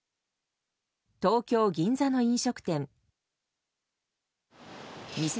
東京・銀座の飲食店。